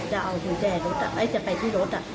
จะไปที่รถ